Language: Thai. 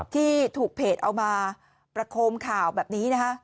ที่ถูกเพจเอามาประโคมข่าวแบบนี้นะคะ